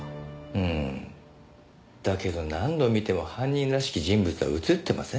うんだけど何度見ても犯人らしき人物は映ってませんねえ。